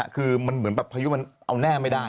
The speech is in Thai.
คือเหมือนประยุกต์มันเอาแน่ไม่ได้